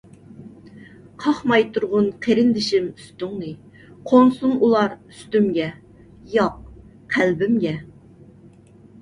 قاقماي تۇرغىن قېرىندىشىم ئۈستۈڭنى، قونسۇن ئۇلار ئۈستۈمگە، ياق قەلبىمگە.